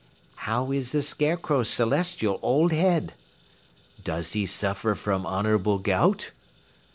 "How is the Scarecrow's celestial old head?" "Does he suffer from honorable gout?"